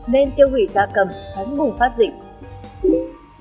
nên tiêu hủy da cầm tránh bùng phát dịch